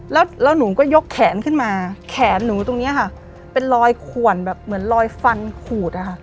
แล้วหนูก็ยกแขนขึ้นมาแขนหนูตรงนี้ค่ะเป็นรอยขวนแบบเหมือนรอยฟันขูดอะค่ะ